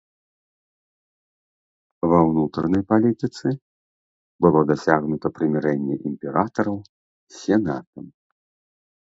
Ва ўнутранай палітыцы было дасягнута прымірэнне імператараў з сенатам.